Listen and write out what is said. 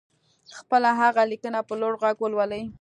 خپله هغه ليکنه په لوړ غږ ولولئ.